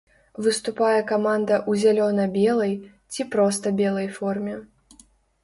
Выступае каманда ў зялёна-белай, ці проста белай форме.